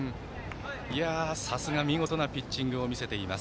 さすが、見事なピッチングを見せています。